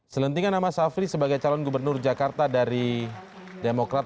selentingan nama safri sebagai calon gubernur jakarta dari demokrat